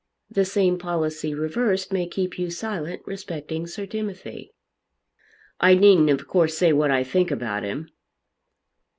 The same policy reversed may keep you silent respecting Sir Timothy." "I needn't of course say what I think about him."